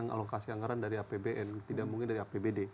alokasi anggaran dari apbn tidak mungkin dari apbd